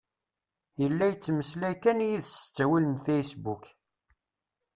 Yella yettmeslay kan d yid-s s ttawil n fasebbuk.